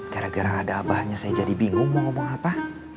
gara gara ada abahnya saya jadi bingung mau ngomong apa